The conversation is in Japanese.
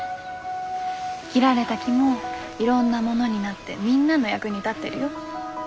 切られた木もいろんなものになってみんなの役に立ってるよ。